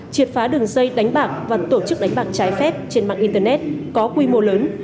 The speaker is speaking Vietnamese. triệt phá đường dây đánh bạc và tổ chức đánh bạc trái phép trên mạng internet có quy mô lớn